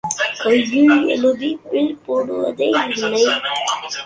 கையில் எழுதி பில் போடுவதே இல்லை.